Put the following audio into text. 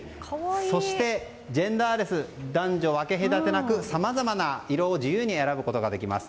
そして、ジェンダーレス男女分け隔てなくさまざまな色を自由に選ぶことができます。